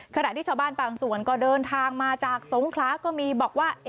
ขณะที่ชาวบ้านบางส่วนก็เดินทางมาจากสงคราก็มีบอกว่า